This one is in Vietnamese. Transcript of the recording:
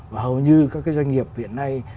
và hầu như các doanh nghiệp hiện nay